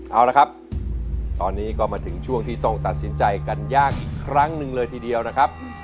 เอาละครับตอนนี้ก็มาถึงช่วงที่ต้องตัดสินใจกันยากอีกครั้งหนึ่งเลยทีเดียวนะครับ